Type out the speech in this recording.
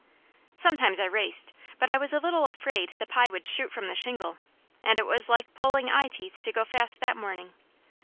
Sometimes I raced, but I was a little afraid the pie would shoot from the shingle and it was like pulling eye teeth to go fast that morning.